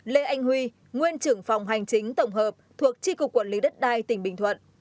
năm lê anh huy nguyên trưởng phòng hành chính tổng hợp thuộc tri cục quản lý đất đai tỉnh bình thuận